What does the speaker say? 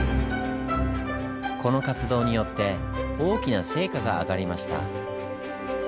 この活動によって大きな成果が上がりました。